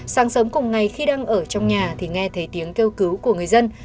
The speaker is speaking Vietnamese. sáng sớm cùng ngày khi đang ở trong nhà thì nghe thấy tiếng kêu cứu của người dân